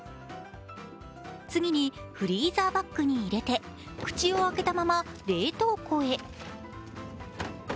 次にフリーザーバッグに入れて口を開けたまま冷凍庫へ。